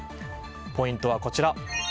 ポイントはこちら。